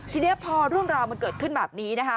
ทีนี้พอเรื่องราวมันเกิดขึ้นแบบนี้นะคะ